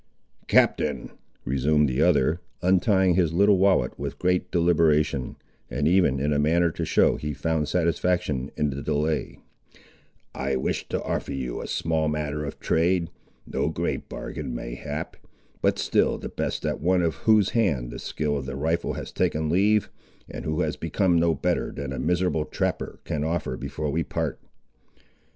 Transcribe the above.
"Captain," resumed the other, untying his little wallet with great deliberation, and even in a manner to show he found satisfaction in the delay, "I wish to offer you a small matter of trade. No great bargain, mayhap; but still the best that one, of whose hand the skill of the rifle has taken leave, and who has become no better than a miserable trapper, can offer before we part."